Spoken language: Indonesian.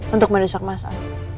untuk meresap masak